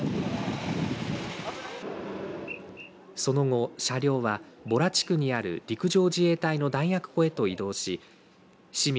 その後、車両は保良地区にある陸上自衛隊の弾薬庫へと移動し市民